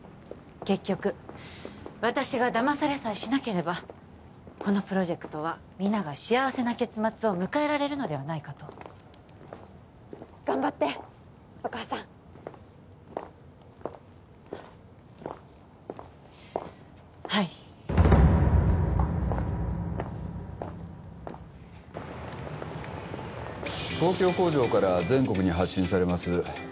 結局私がだまされさえしなければこのプロジェクトは皆が幸せな結末を迎えられるのではないかと頑張ってお母さんはい東京工場から全国に発信されます